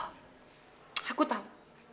oh aku tahu